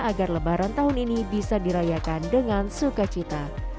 agar lebaran tahun ini bisa dirayakan dengan suka cita